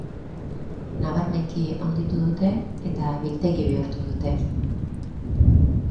Nabarmenki handitu dute, eta biltegi bihurtu dute.